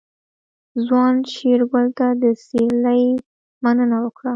ځوان شېرګل ته د سيرلي مننه وکړه.